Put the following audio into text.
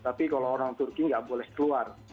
tapi kalau orang turki nggak boleh keluar